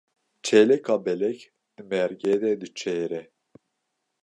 Çêleka belek di mêrgê de diçêre.